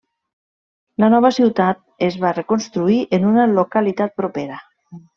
La nova ciutat es va reconstruir en una localitat propera.